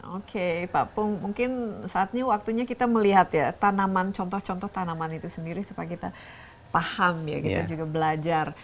oke pak pung mungkin saatnya waktunya kita melihat ya tanaman contoh contoh tanaman itu sendiri supaya kita paham ya kita juga belajar